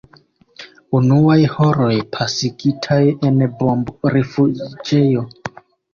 Unuaj horoj, pasigitaj en bombrifuĝejo.